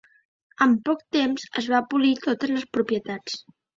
En poc temps es va polir totes les propietats.